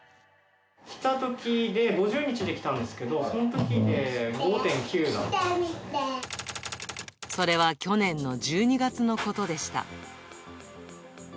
来たときで、５０日で来たんですけど、それは去年の１２月のことでした。